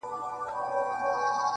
• پیر بابا -